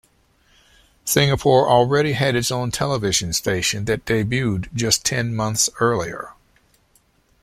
Singapore already had its own television station that debuted just ten months earlier.